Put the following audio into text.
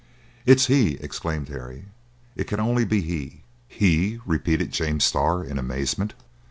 "It's he!" exclaimed Harry. "It can only be he!" "He?" repeated James Starr in amazement.